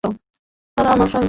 তারা আমার সন্তান।